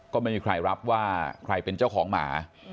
ก็ไม่มีใครรับว่าใครเป็นเจ้าของหมา